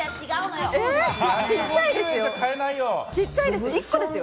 ちっちゃいですよ。